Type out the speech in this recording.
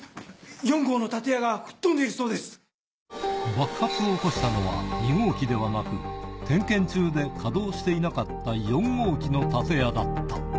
爆発を起こしたのは２号機ではなく点検中で稼働していなかった４号機の建屋だった。